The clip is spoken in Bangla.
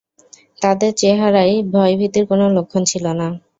তাদের চেহারায় ভয় ভীতির কোন লক্ষণ ছিল না।